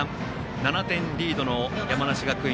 ７点リードの山梨学院